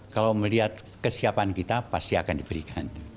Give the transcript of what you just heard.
kalau melihat kesiapan kita pasti akan diberikan